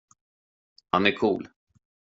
Han är cool.